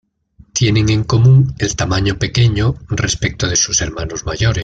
Tienen en común el tamaño pequeño respecto de sus hermanos mayores.